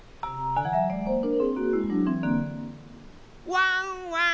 ・ワンワン